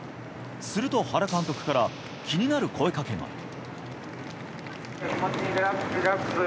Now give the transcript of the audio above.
すると、原監督から気になる声かけが。